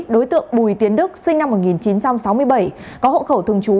đối tượng bùi tiến đức sinh năm một nghìn chín trăm sáu mươi bảy có hộ khẩu thường trú